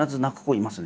います？